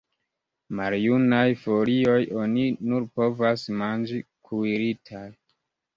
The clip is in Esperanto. Maljunaj folioj oni nur povas manĝi kuiritaj.